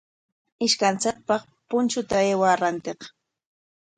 Ishkanchikpaq punchuta aywaa rantiq.